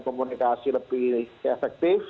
komunikasi lebih efektif